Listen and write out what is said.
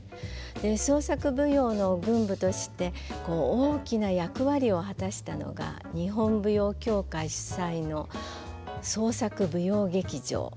創作舞踊の群舞として大きな役割を果たしたのが日本舞踊協会主催の創作舞踊劇場。